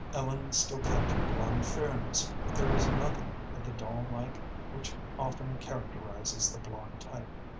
Ellen still kept her blond fairness, but there was nothing of the doll like which often characterizes the blond type.